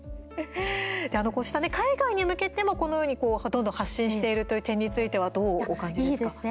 こうした海外に向けてもこのように、どんどん発信しているという点についてはどうお感じですか。